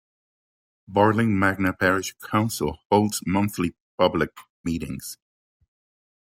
Barling Magna Parish Council holds monthly public meetings.